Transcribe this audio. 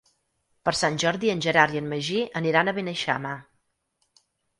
Per Sant Jordi en Gerard i en Magí aniran a Beneixama.